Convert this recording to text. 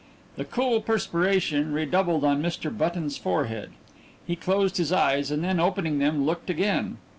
The cool perspiration redoubled on Mr. Button's forehead. He closed his eyes, and then, opening them, looked again.